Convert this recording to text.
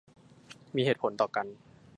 มีเหตุผลต่อกัน